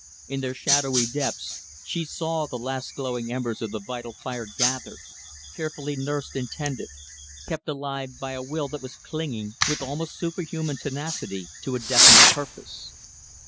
In their shadowy depths, she saw the last glowing embers of the vital fire gathered; carefully nursed and tended; kept alive by a will that was clinging, with almost superhuman tenacity, to a definite purpose.